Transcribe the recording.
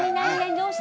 どうした？